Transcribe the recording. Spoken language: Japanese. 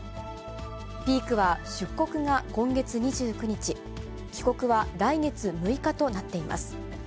ピークは出国が今月２９日、帰国は来月６日となっています。